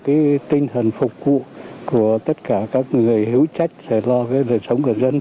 cái tinh thần phục vụ của tất cả các người hiếu trách để lo về sống của dân